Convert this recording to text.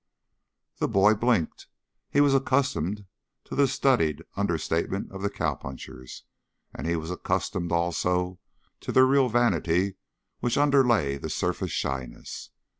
The boy blinked. He was accustomed to the studied understatement of the cowpunchers and he was accustomed, also, to their real vanity which underlay the surface shyness.